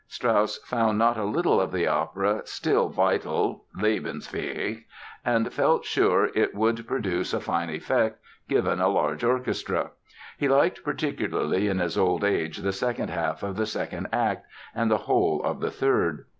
Strauss found not a little of the opera "still vital" ("lebensfähig") and felt sure it would produce a fine effect given a large orchestra. He liked particularly in his old age the second half of the second act and the whole of the third.